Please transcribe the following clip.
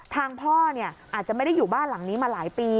ทางพ่ออาจจะไม่ได้อยู่บ้านหลังนี้มาหลายปี